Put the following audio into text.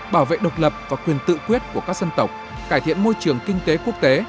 bảo vệ độc lập và quyền tự quyết của các dân tộc cải thiện môi trường kinh tế quốc tế